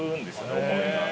お米が。